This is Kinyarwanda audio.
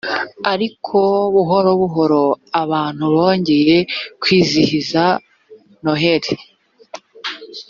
ariko buhoro buhoro abantu bongeye kwizihiza noheli